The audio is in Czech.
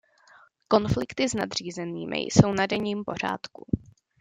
Konflikty s nadřízenými jsou na denním pořádku.